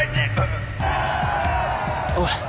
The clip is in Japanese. おい。